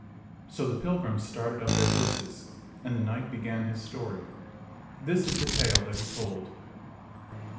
So the pilgrims started up their horses, and the knight began his story. This is the tale that he told.